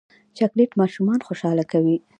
چاکلېټ ماشومان خوشحاله کوي.